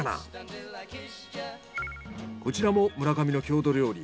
こちらも村上の郷土料理。